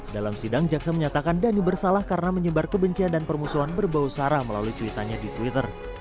dalam sidang jaksa menyatakan dhani bersalah karena menyebar kebencian dan permusuhan berbau sara melalui cuitannya di twitter